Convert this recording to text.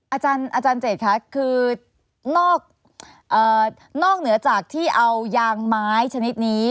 อาจารย์เจตค่ะคือนอกเหนือจากที่เอายางไม้ชนิดนี้